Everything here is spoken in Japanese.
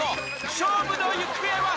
勝負の行方は！？